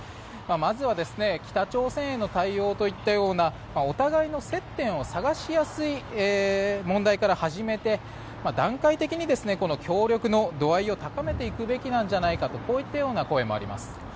まずは北朝鮮への対応といったようなお互いの接点を探しやすい問題から始めて段階的に協力の度合いを高めていくべきなんじゃないかといったこういったような声もあります。